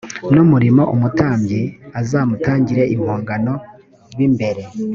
n umuriro umutambyi azamutangire impongano b imbere